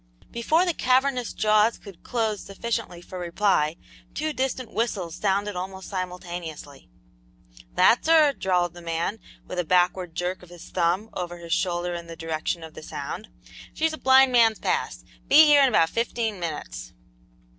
Before the cavernous jaws could close sufficiently for reply, two distant whistles sounded almost simultaneously. "That's her," drawled the man, with a backward jerk of his thumb over his shoulder in the direction of the sound; "she's at Blind Man's Pass; be here in about fifteen minutes."